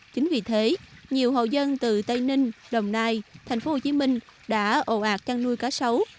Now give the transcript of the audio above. chính vì thế nhiều hộ dân từ tây ninh đồng nai tp hcm đã ồ ạc chăn nuôi cá sấu